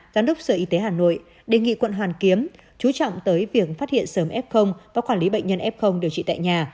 giám đốc sở y tế hà nội đề nghị quận hoàn kiếm chú trọng tới việc phát hiện sớm f và quản lý bệnh nhân f điều trị tại nhà